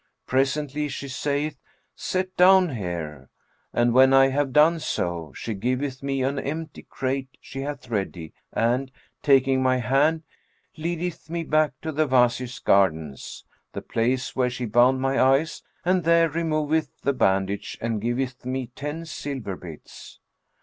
Presently, she sayeth, 'Set down here;' and when I have done so, she giveth me an empty crate she hath ready and, taking my hand, leadeth me back to the Wazir's Gardens, the place where she bound my eyes, and there removeth the bandage and giveth me ten silver bits."